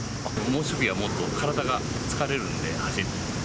猛暑日はもっと体が疲れるんで、走ってて。